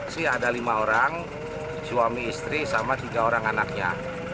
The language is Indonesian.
sih ada lima orang suami istri sama tiga orang anaknya